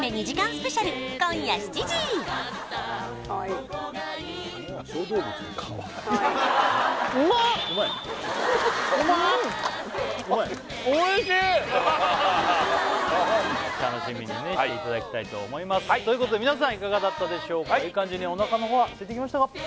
スペシャル今夜７時楽しみにねしていただきたいと思いますということで皆さんいかがだったでしょうかいい感じにお腹のほうは空いてきましたか？